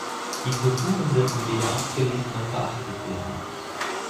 Die Kulturen dürfen weder abgelehnt, noch verachtet werden.